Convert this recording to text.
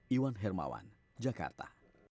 iwan hermawan jakarta